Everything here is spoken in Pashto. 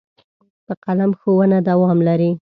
په قلم ښوونه دوام لري.